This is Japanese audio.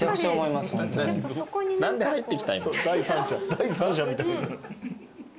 第三者みたいに。